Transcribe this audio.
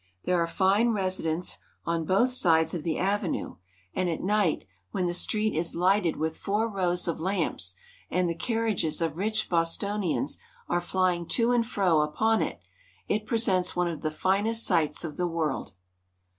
There are fine residences on both sides of the avenue, and at CAMBRIDGE. 93 night, when the street Is lighted with four rows of lamps and the carriages of rich Bostonians are flying to and fro upon it, it presents one of the finest sights of the world.